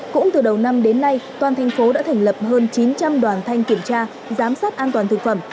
cũng từ đầu năm đến nay toàn thành phố đã thành lập hơn chín trăm linh đoàn thanh kiểm tra giám sát an toàn thực phẩm